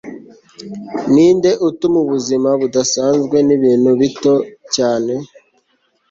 Ninde utuma ubuzima budasanzwe nibintu bito cyane